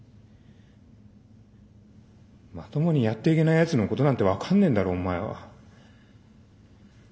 まともにやっていけないやつのことなんて分かんねえんだろお前は。